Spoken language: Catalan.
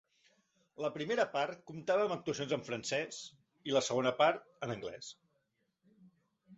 La primera part comptava amb actuacions en francès, i la segona part, en anglès.